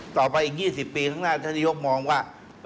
ต่อไปอีก๒๐ปีข้างหน้าท่านนายกมองว่า